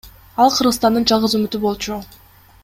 Ал Кыргызстандын жалгыз үмүтү болчу.